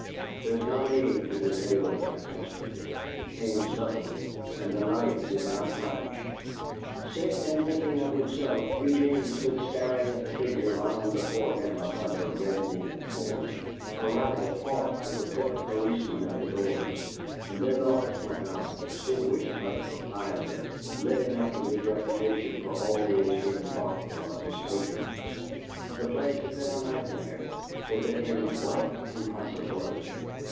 There is no need to detail the catastrophe. It came suddenly, and the knife did not flash. Sick and thinking of himself, Eugene stood staring at the figure lying before him upon the reddening floor. A rabble fought with the quick policemen at the doors, and then the lights went out, extinguished by the proprietor, living up to his reputation for always being thoughtful of his patrons. The place had been a nightmare; it became a black impossibility.